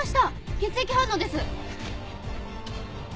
血液反応です！